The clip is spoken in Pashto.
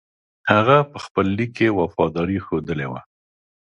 هغه په خپل لیک کې وفاداري ښودلې وه.